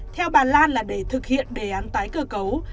theo bà lan là để thực hiện đề án tái cơ cấu